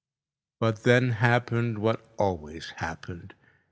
But then happened what always happened.